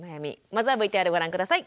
まずはＶＴＲご覧下さい。